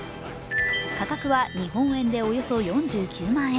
価格は日本円でおよそ４９万円。